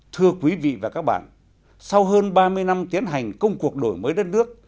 thưa quý vị và các bạn sau hơn ba mươi năm tiến hành công cuộc đổi mới đất nước